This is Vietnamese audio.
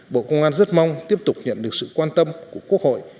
bộ công an rất mong tiếp tục nhận được sự quan tâm của quốc hội